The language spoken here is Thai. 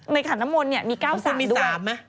ในขานมนต์เนี่ยมี๙๓ด้วย